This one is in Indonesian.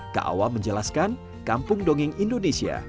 keawam menjelaskan kampung dongeng indonesia